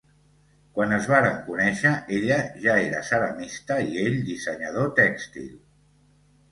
Quan es varen conèixer, ella ja era ceramista i ell dissenyador tèxtil.